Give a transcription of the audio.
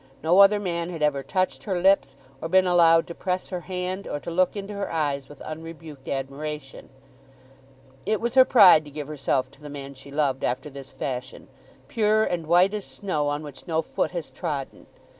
No other man had ever touched her lips, or been allowed to press her hand, or to look into her eyes with unrebuked admiration. It was her pride to give herself to the man she loved after this fashion, pure and white as snow on which no foot has trodden.